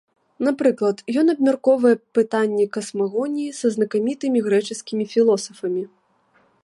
Напрыклад, ён абмяркоўвае пытанні касмагоніі са знакамітымі грэчаскімі філосафамі.